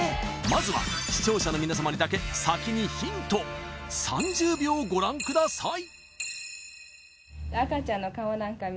まずは視聴者のみなさまにだけ先にヒント３０秒ご覧ください